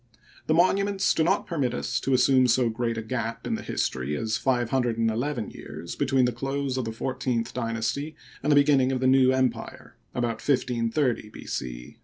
The monu ments do not permit us to assume so g^eat a gap in the history as five hundred and eleven years between the close of the fourteenth dynasty and the beginning of the New Empire (about 1530 B. c).